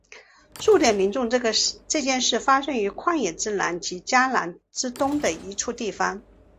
数点民众这件事发生于旷野之南及迦南之东的一处地方。